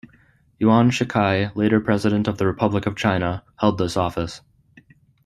Yuan Shikai, later president of the Republic of China, held this office.